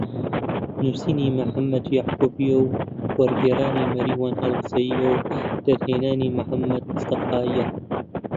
نووسینی محەممەد یەعقوبی و وەرگێڕانی مەریوان هەڵەبجەیی و دەرهێنانی محەممەد مستەفایە